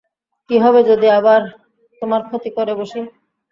কী হবে যদি আবার তোমার ক্ষতি করে বসি?